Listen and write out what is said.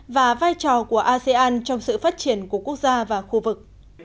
và vai trò của asean trong sự phát triển của quốc gia và khu vực